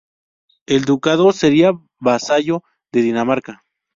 El ducado sería vasallo de Dinamarca.